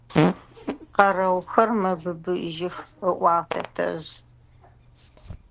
Къэрэухэр мэбыбыжьых, – ыӏуагъ тэтэжъ.